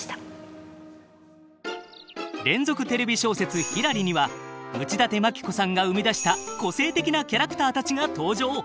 連続テレビ小説「ひらり」には内館牧子さんが生み出した個性的なキャラクターたちが登場。